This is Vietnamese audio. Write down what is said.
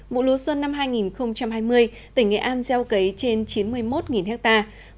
vụ lúa xuân năm hai nghìn hai mươi tỉnh nghệ an gieo cấy trên chín mươi một hectare